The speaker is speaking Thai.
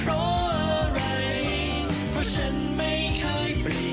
เพราะฉันไม่เคยเปลี่ยน